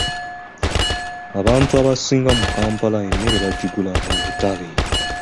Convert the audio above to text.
Abantu abasinga mu Kampala emmere bagigula mu butale.